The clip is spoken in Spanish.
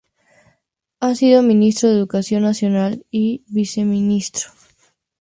Ha sido Ministro de Educación Nacional y Viceministro.